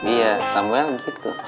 iya samuel gitu